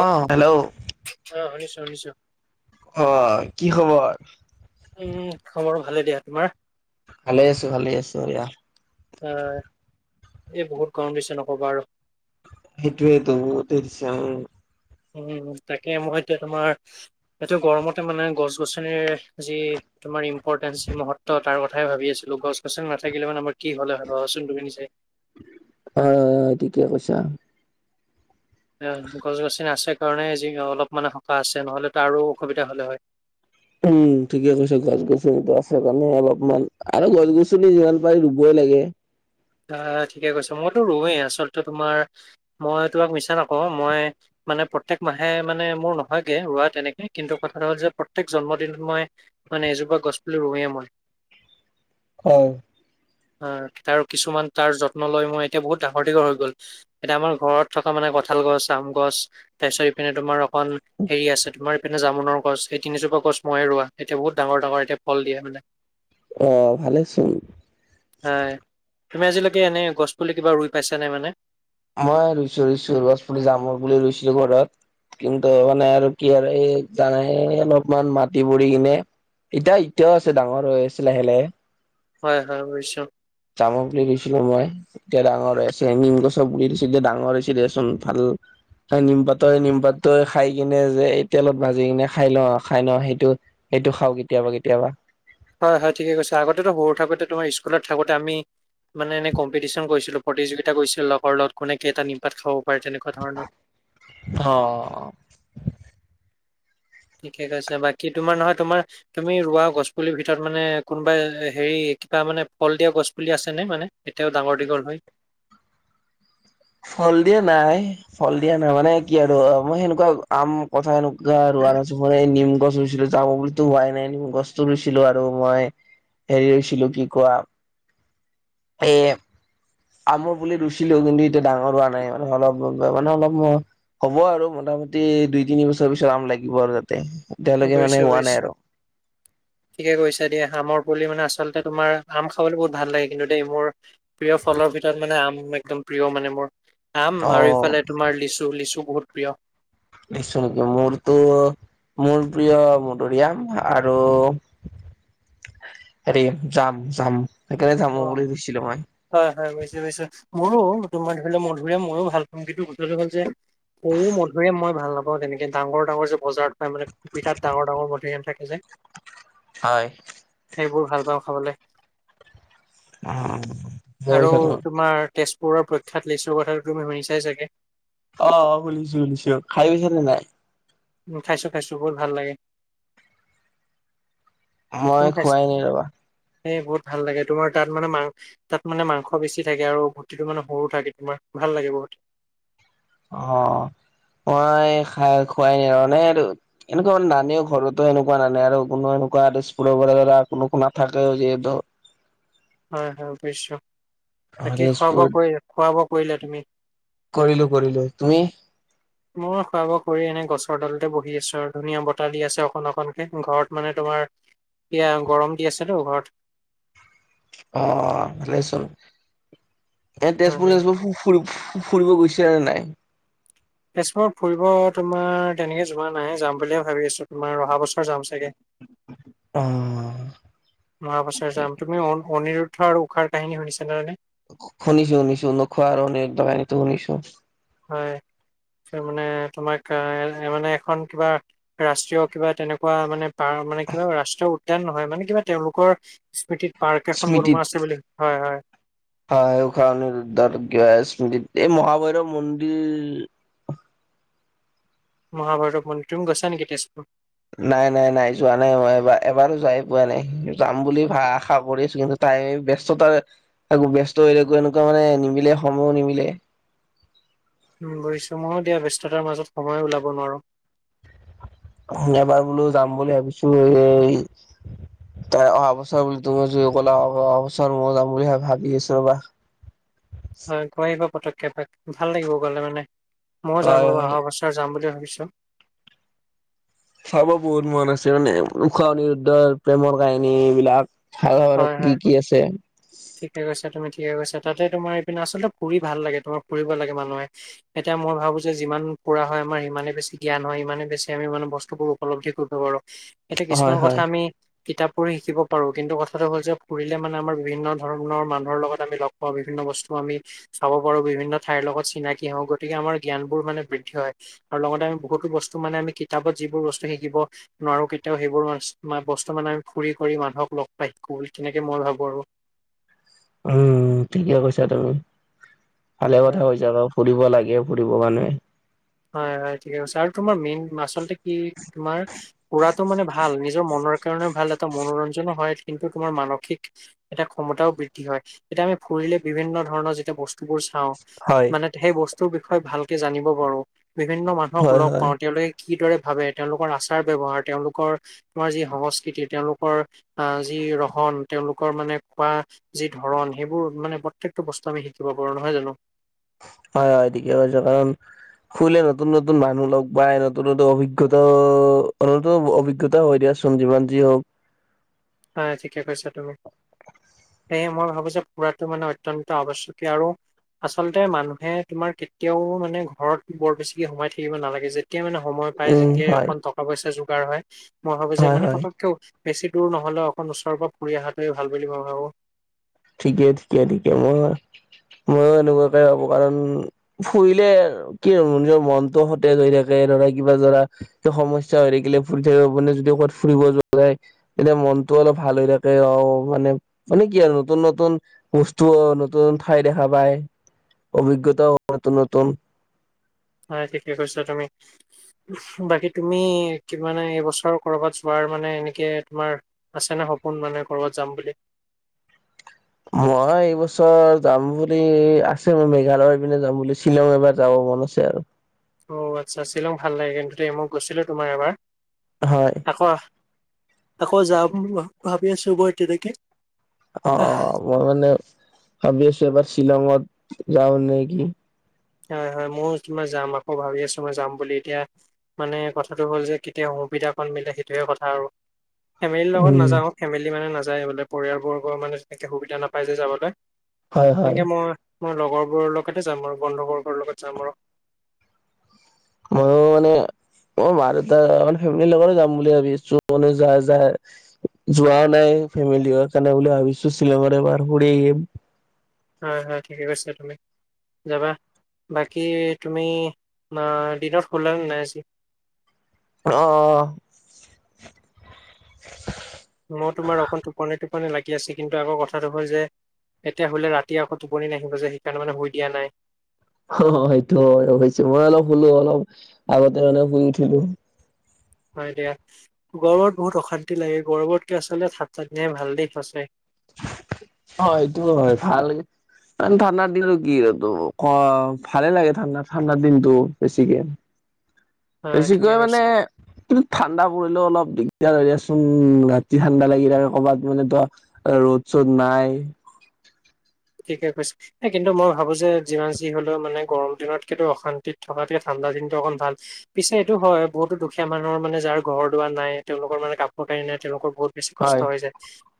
অ hello অ শুনিছোঁ শুনিছোঁ। অ কি খবৰ? উম খৰ ভালে দিয়া তোমাৰ? ভালে আছোঁ ভালে আছোঁ এয়া। অ এই বহুত গৰম দিছে নক'বা আৰু। সেইটয়েইেতো বহুত দিছে আৰু। উম তাকে মই এতিয়া তোমাৰ এইটো গৰমতে মানে গছ গছনিৰ যি। তোমাৰ ইম্পৰ্টেন্ঞ্চ সি মহত্ব তাৰ কথাই ভাবি আছিলোঁ গছ গছনি নাথাকিলে মানে আমাৰ কি হ'লে ভাবা চোন তুমি নিজে। হয় ঠিকে কৈছা। গছ গছনি আছে কাৰণে যি অলপ মানে সকাহ আছে নহ'লে তো আৰু অসুবিধা হ'লে হয়। উম ঠিকে কৈছা গছ গছনিতো আছে কাৰণে অলপমান আৰু গছ গছনি যিমান পাৰি ৰুবই লাগে। আহ ঠিকে কৈছ মইতো ৰৱেই আচলতে তোমাৰ মই তোমাক মিছা নকওঁ মই। মানে প্ৰত্যেক মাহে মানে মোৰ নহয়গে ৰোৱা তেনেকে কিন্তু কথাটো হ'ল যে প্ৰত্যয়েক জন্মদিনত মই। মানে এজোপা গছপুলি ৰুওয়েই মই। হয় আহ তাৰ কিছুমান তাৰ যত্ন লৈ মই এতিয়া বহুত ডাঙৰ দীঘল হৈ গ'ল। এতিয়া আমাৰ ঘৰত থকা মানে কঁঠাল গছ আম গছ তাৰ পিছত ইপিনে তোমাৰ। অকল হেৰি আছে তোমাৰ। এনে জামুনৰ গছ এই তিনিজোপা গছ মই ৰোৱা এয়া বহুত ডাঙৰ ডাঙৰ এয়াল দিয়ে মানে। অ ভালে চোন। হয়। তুমি আজিলৈকে এনে গছ পুলি কিবা ৰুই পাইছ নে মানে। মই ৰুইছো ইছ গছপুলি জামৰ বুলি ৰুইছিলো ঘৰত। কিন্তু মানে আৰু কি আৰু এই জানে অলপমান মাটি বোৰি কিনে এতিয়া এতিয়াও আছে ডাঙৰ হৈ আছে লাহে লাহে। হয় হয় বুজিছোঁ। জামুৰ পোলি ৰুই চিলো মই। এতিয়া ডাঙৰ হৈ আছে নিম গছৰ পুলি দিছিল যে এতিয়া ডাঙৰ হৈছিল দেচোন ভাল। নিমপাতৰ নিমপাত খাই কিনে যে এই তেলত ভাজি কিনে খাই লওঁ খাই ল সেইটো। সেইটো খাওঁ কেতিয়াবা কেতিয়াবা। হয় হয় ঠিকে কৈছে আগতেতো সৰু থাকোতে তোমাৰ স্কুলত থাকোতে আমি মানে এনে কম্পিটিচন কৰিছিলো প্ৰতিযোগিতা কৰিছিলো লগৰ লগত কোনে কেইটা নিমপাত খাব পাৰে তেনেকুৱা ধৰণৰ। অহ। ঠিকে কৈছে বাকী তোমাৰ নহয় তোমাৰ তুমি ৰোৱা গছ পুলিৰ ভিতৰত মানে কোনোবাই হেৰি কিবা মানে ফল দিয়া গছ পুলি আছে নে মানে। এতিয়াও ডাঙৰ দীঘল হয়। ফল দিয়া নাই ফল দিয়া নাই মানে কি আৰু মই সেনেকুৱা আম, কঁঠাল, এনকা আৰু মানে নিম গছ ৰুইছিলো যাব বুলিতো হোৱাই নাই নিম গছতো ৰুইছিলো আৰু মই। হেৰি ৰুইছিলোঁ কি কোৱা এ আমৰ পুলি ৰুইছিলো কিন্তু এতিয়া ডাঙৰ হোৱা নাই মানে অলপ মানে অলপ হ'ব আৰু মোটামুটি দুই তিনি বছৰ পিছত আম লাগিব আৰু যাতে এতিয়ালৈকে বুজিছোঁ, মানে হোৱা নাই আৰু। [unintelligible] ঠিকে কৈছে দেই আমৰ পুলি মানে আচলতে তোমাৰ আম খাবলৈ বহুত ভাল লাগে কিন্তু দেই মোৰ প্ৰিয় ফলৰ ভিতৰত মানে আম একদম প্ৰিয় মানে মোৰ। আম আৰু অ এইফালে তোমাৰ লিচু লিচু বহুত প্ৰিয়। নিশ্চয় মোৰতো মোৰ প্ৰিয় মধুৰিআম আৰু হেৰি যাম যাম সেইকাৰণে যামৰ অ'। পোলি ৰুইছিলো মই। হয় হয় বুজি পাইছোঁ মোৰো তোমাৰ ধৰি লও মধুৰি আম মোৰো ভাল পাও কিন্তু কথাটো হ'ল যে সৰু মধুৰি আম মই ভাল নাপাওঁ তেনেকে ডাঙৰ ডাঙৰ যে বজাৰত পাই মানে পিঠাত ডাঙৰ ডাঙৰ মধুৰিআম থাকে যে, হয়। সেইবোৰ ভাল পাওঁ খাবলে। উম। আৰু তোমাৰ তেজপুৰৰ প্ৰখ্যাত লিছু কথাটো তুমি শুনিছাই চাগে। অ অ শুলিছো শুনিছোঁ খাই পাইছা নে নাই? উ খাইছো খাইছো বহুত ভাল লাগে। মই খোৱাই নাই ৰবা। সেই বহুত ভাল লাগে তোমাৰ তাত মানে মাং তাত মানে মাংস বেছি থাকে আৰু গুটিটো মানে সৰু থাকে তোমাৰ ভাল লাগে বহুত। অ মই খাই খোৱাই নাই আৰু মানে এইটো এনেকুৱা মানে নানেও ঘৰতো এনেকুৱা নানে আৰু কোনো এনেকুৱা স্কুলৰ পৰা ধৰা কোনো নাথাকেও যিহেতু হয় হয় বুইছো বাকী খোৱা তেজপুৰত বোৱা, খোৱা বোৱা কৰিলে তুমি? কৰিলো কৰিলো। তুমি? [unintelligible] মই খোৱা বোৱা কৰি এনে গছৰ তলতে বহি আছো আৰু ধুনীয়া বতাহ দি আছে অকণ অকনকে ঘৰত মানে তোমাৰ এতিয়া গৰম দি আছে টো ঘৰত। অ', ভালেই চোন, এনে তেজপুৰ হয়, চেজপুৰ ফুৰি ফুৰিব গৈছা নে নাই? তেজপুৰ ফুৰিব তোমাৰ তেনেকে যোৱা নাই যাম বুলিয়ে ভাবি আছো তোমাৰ অহা বছ বছৰ যাম চাগে, অ অহা বছৰ যাম তুমি অন অনিৰু দ্ধ আৰু ঊষাৰ কাহিনী শুনিছা নে মানে। শুনিছো- শুনিছো ঊখা আৰু অনিৰুদ্ধ কাহিনীটো শুনিছো। হয়। মানে তোমাক এনে মানে এখন কিবা ৰাষ্ট্ৰীয় কিবা তেনেকুৱা মানে পাৰ মানে কিবা ৰাষ্ট্ৰীয় উদ্যান নহয় মানে কিবা তেওঁলোকৰ স্মৃতিত পাৰ্ক এখন স্মৃতিত বনোৱা আছে বুলি। হয়-হয়। হয়, ঊষা, অনিৰুদ্ধত স্মৃতি এই মহাভৈৰৱ মন্দিৰ মহাভৈৰৱ মন্দিৰ, তুমি গৈছা নেকি তেজপুৰ। নাই নাই- নাই যোৱা নাই মই এইবাৰ এবাৰো যাই পোৱা নাই, যাম বুলি ভা আশা কৰিছো কিন্তু তাইমে ব্যস্ততাৰ আকৌ ব্যস্ত হৈ থাকো, এনেকুৱা মানে নিমিলে সময়ো নিমিলে। উম, বুজিছো মইও দিয়া ব্যস্ততাৰ মাজত সময়ে ওলাব নোৱাৰো। এবাৰ বোলো যাম বুলি ভাবিছো এই তাৰপা অহা বছৰ [unintelligible] অহা বছৰ মই যাম বুলি ভাবি আছো ৰ'বা। হয়, গৈ আহিবা পতককে এপাক ভাল লাগিব গ'লে মানে, মইও যাম হয় ৰ'বা হয় অহা বছ ছৰ যাম বুলি ভাবিছোঁ। চাব বহুত মন আছে মানে ঊষা, অনিৰুদ্ধৰ প্ৰেমৰ কাহিনী বিলাক। চাওঁ আৰু হয় হয় কি- কি আছে। ঠিকে কৈছা তুমি ঠিকে কৈছা, তাতে তোমাৰ এইপিনে আচলতে ফুৰি ভাল লাগে তোমাৰ ফুৰিব লাগে মানুহে। এতিয়া মই ভাবো যে, যিমান ফুৰা হয় আমাৰ সিমানে বেছি জ্ঞান হয়, সিমানেই বেছি আমি মানে বস্তুবোৰ উপলব্ধি কৰিব পাৰো, এতিয়া কিছুমান হয় কথা হয় আমি কিতাপ পঢ়ি শিকিব পাৰো, কিন্তু কথা কথাটো হ'ল যে, ফুৰিলে মানে আমাৰ বিভিন্ন ধৰণৰ মানুহৰ লগত আমি লগ পাওঁ বিভিন্ন বস্তু আমি চাব পাৰো বিভিন্ন ঠাইৰ লগত চিনাকি হওঁ, গতিকে আমাৰ জ্ঞানবোৰ মানে বৃদ্ধি হয়। আৰু লগতে আমি বহুতো বস্তু মানে আমি কিতাপত যিবোৰ বস্তু শিকিব নোৱাৰো কেতিয়াও সেইবোৰ বস্তু মানে আমি ফুৰি কৰি মানুহক লগ পাই থাকো বুলি তেনেকে মই ভাবো আৰু। উম, ঠিকে কৈছা তুমি, ভালে আৰু কথা কৈছা বাও। ফুৰিব লাগে ফুৰিব মানে। হয়-হয় ঠিকে কৈছা আৰু তোমাৰ মেইন আচলতে কি তোমাৰ ফুৰাটো মানে ভাল নিজৰ মনৰ কাৰণে ভাল, এটা মনোৰঞ্জনো হয় কিন্তু তোমাৰ মানসিক এটা ক্ষমতাও বৃদ্ধি হয়, এতিয়া আমি ফুৰিলে বিভিন্ন ধৰণৰ যেতিয়া বস্তুবোৰ চাওঁ, হয় মানে সেই বস্তুৰ বিষয়ে ভালকে জানিব পাৰো, বিভিন্ন মানুহক হয় লগ হয় পাওঁ তেওঁলোকে কিদৰে ভাবে, তেওঁলোকৰ আচাৰ ব্যৱহাৰ, তেওঁলোকৰ তোমাৰ যি সংস্কৃতি, তেওঁলোকৰ আ যি ৰহন, তেওঁলোকৰ মানে খোৱা যি ধৰণ, সেইবোৰ মানে প্ৰত্যেকটো বস্তুৱে আমি শিকিব পাৰো, নহয় জানো? হয়- হয়, ঠিকেই কৈছা কাৰণ ফুৰিলে নতুন- নতুন মানুহ লগ পায়, নতুন- নতুন অভিজ্ঞতা অ অলপটো অভিজ্ঞতা হৈ দিয়াচো চোন যিমান যি হওঁক। হয়, ঠিকে কৈছা তুমি। সেয়ে মই ভাবো যে, ফুৰাটো মানে অত্যন্ত আৱশ্যকীয় আৰু আচলতে মানুহে তোমাৰ কেতিয়াও মানে ঘৰত বৰ বেছিকে সোমাই থাকিব নালাগে যে যেতিয়া মানে সময় পায়, উম যেতিয়াই হয় অকন টকা পইচা যোগাৰ হয়, মই ভাবো যে হয় মানে হয় পতককে বেছি দূৰ ন নহ'লেও অকন ওচৰ পৰা ফুৰি অহাটোৱে ভাল বুলি মই ভাবো। ঠিকে ঠিকে-ঠিকে, মই মইয়ো এনেকুৱাকে ভাবো কাৰণ ফুৰিলে কি আৰু নিজৰ মনটো সতেজ হৈ থাকে ধৰা কিবা ধৰা সমস্যা হৈ থাকিলে ফুৰি থাকিব মানে যদি ক'ৰবাত ফুৰিব যোৱা যায় তেতিয়া মনটো অলপ ভাল হৈ থাকে, অ', মানে- মানে কি আৰু নতুন-নতুন বস্তুও নতুন ঠাই দেখা পায়, অভিজ্ঞতাও নতুন- নতুন। হয় ঠিকে কৈছা তুমি। বাকি তুমি কি মানে এইবছৰ কৰবাত যোৱাৰ মানে এনেকে তোমাৰ আছে নে সপোন মানে কৰ'ৰবাত যাম বুলি? মই এইবছৰ যাম বুলি আছে মই মেঘালয় পিনে যাম বুলি শ্বিলং এবাৰ যাব মন আছে আৰু। অ আচ্ছা, শ্বিলং ভাল লাগে কিন্তু দেই মই গৈছিলো তোমাৰ এবাৰ। হয়। আকৌ আকৌ যাম ভাবি আছো মই তেনেকে। অঁ মই মানে ভাবি আছো এবাৰ শ্বিলঙত যাওঁ নেকি। হয় হয় মইয়ো তোমাৰ যাম আকৌ ভাবি আছো মই যাম বুলি এতিয়া মানে কথাটো হ'ল যে কেতিয়া সুবিধাকণ মিলে সেইটোয়ে কথা আৰু। ফেমিলিৰ লগত উম নাযাওঁ ফেমিলি মানে নাযায় বোলে পৰিয়ালবৰ্গৰ মানে তেনেকে সুবিধা নাপাই যে যাবলৈ। হয় হয় তেনেকে মই মই লগৰবোৰৰ লগতে যাম আৰু বন্ধু বৰ্গৰ লগত যাম আৰু। মইয়ো মানে মই মাঁ দেউতাৰ ফেমিলিৰ লগত যাম বুলি ভাবিছো যাই যাই যোৱাও নাই ফেমিলি কাৰণে বুলি ভাবিছো শ্বিলঙত এইবাৰ ফুৰি আহিম। হয় হয় ঠিকেই কৈছা তুমি। যাবা, বাকি তুমি দিনত শুলা নে নাই আজি? অ। মই তোমাৰ অকণ টোপনি টোপনি লাগি আছে কিন্তু আকৌ কথাটো হ'ল যে এতিয়া শুলে ৰাতি আকৌ টোপনি নাহিব যে সেইকাৰণে মানে শুই দিয়া নাই। অ সেইটো হয় অৱশ্যে মই অলপ শুলো অলপ আগতে মানে শুই উঠিলো। হয় দিয়া গৰমত বহুত অশান্তি লাগে গৰমতকে আচলতে ঠাণ্ডা দিনহে ভাল দেই সচাই। অ এইটো হয় ভাল ঠাণ্ডাৰ দিন আৰু কি ভালে লাগে ঠাণ্ডা ঠাণ্ডাৰ দিনটো বেছিকে। [inaudible] ঠিকে বেছিকৈ কৈছে মানে কিন্তু ঠাণ্ডা পৰিলেও অলপ দিগদাৰ হৈ যায় চোন ৰাতি ঠাণ্ডা লাগিলে কৰ'ৰবাত মানে ত' ৰ'দ চ'দ নাই, ঠিকেই কৈছা। এ কিন্তু মই ভাবো যে যিমান যি হলেও মানে গৰম দিনত কিন্তু অশান্তিত থকাতকে ঠাণ্ডা দিনটো অকণ ভাল। পিছে এইটো হয় বহুতো দুখীয়া মানুহৰ মানে যাৰ ঘৰ দুৱাৰ নাই তেওঁলোকৰ মানে কাপোৰ কানি নাই তেওঁলোকৰ বহুত বেছি কষ্ট হয় হৈ যায়।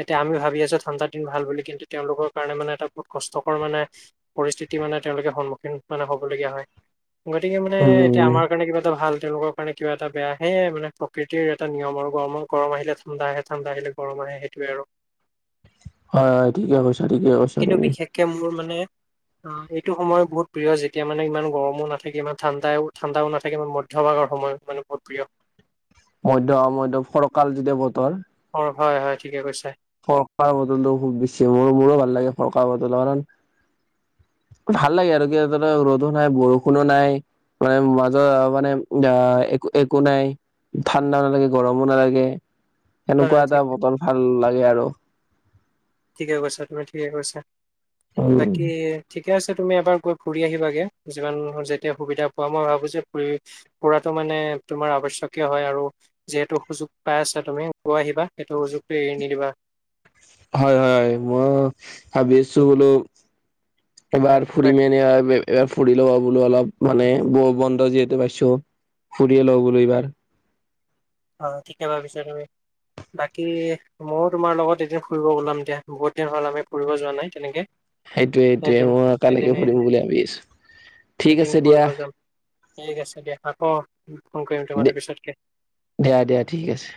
এতিয়া আমি ভাবি আছো ঠাণ্ডা দিন ভাল বুলি কিন্তু তেওঁলোকৰ কাৰণে মানে এটা বহুত কষ্টকৰ মানে পৰিস্থিতি মানে তেওঁলোকে সন্মুখীন মানে হবলগীয়া হয়। গতিকে মানে এতিয়া উম আমাৰ কাৰণে কিবা এটা ভাল তেওঁলোক কাৰণে কিবা এটাহে বেয়াহে মানে প্ৰকৃতিৰ এটা নিয়ম আৰু গৰমৰ গৰম আহিলে ঠাণ্ডা আহে ঠাণ্ডা আহিলে গৰম আহে সোইটোৱে আৰু। হয় হয় ঠিকে কৈছ। কিন্তু বিশেষকে মোৰ মানে অ এইটো সময় বহুত প্ৰিয় যেতিয়া মানে ইমান গৰমো নাথাকে ইমান ঠাণ্ডাও ঠাণ্ডাও নাথাকে ইমান মধ্যভাগৰ সময়। মানে বহুত প্ৰিয়। মধ্য মধ্যয় ফৰকাল যেতিয়া বতৰ অ হয় হয় ঠিকে কৈছে। ফৰকাৰ বতৰটো খুব বেছি মোৰ মোৰো ভাল লাগে ফৰকাৰ বতৰটো কাৰণ ভাল লাগে আৰু কি ত ৰ'দো নাই বৰষুণো নাই মানে মাজৰ মানে অ এক একো নাই। ঠাণ্ডাও নালাগে গৰমো নালাগে হয় সেনেকুৱা এটা ঠিক বতৰ ভাল লাগে আৰু। ঠিকে কৈছা তুমি ঠিকে কৈছা উম বাকী ঠিকে আছে তুমি এবাৰ গৈ ফুৰি আহিবাগে যিমান যেতিয়া সুবিধা পোৱা মই ভাবো যে ফুৰি ফুৰাটো মানে তোমাৰ আৱশ্যকীয় হয় আৰু যিহেতু সুযোগ পাই আছা তুমি গৈ আহিবা। এইটো সুযোগটো এৰি নিদিবা। হয় হয় হয় মই ভাবি আছো বোলো আহ, এবাৰ ফুৰিম বাক- এনে এইবাৰ ফুৰি লবা বোলো অলপ মানে ব- বন্ধ যিহেতু পাইছোঁ ফুৰিয়ে লওঁ বোলো এইবাৰ। অ, ঠিকে ভাবিছ তুমি বাকী ময়ো তোমাৰ লগত এদিন ফুৰিব ওলাম দিয়া বহুত দিন হ'ল আমি ফুৰিব যোৱা নাই তেনেকে। সেইটোৱে- সেইটোৱে এদিন মইও এদিন একালিকে ফুৰিম বুলি ভাবি আছোঁ ঠিক এদিন আছে দিয়া ফুৰিব যাম ঠিক আছে দিয়া আকৌ ফোন কৰিম তোমালে পিছতকে। দিয়া-দিয়া ঠিক আছে।